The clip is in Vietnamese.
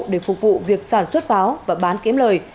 để phục vụ việc sản xuất pháo và bán kiếm lời